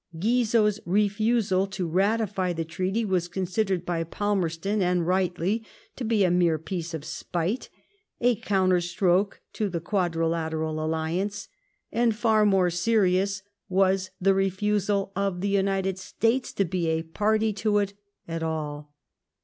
Guizot's refusal to ratify the treaty was considered by Palmerston — and rightly — to be a mere piece of spite, a counterstroke to the Quadrilateral Alliance ; and far more serious was the refusal of the United States to be a party to it at all.